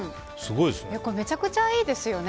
めちゃくちゃいいですよね。